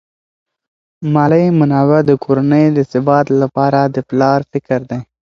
مالی منابع د کورنۍ د ثبات لپاره د پلار فکر دي.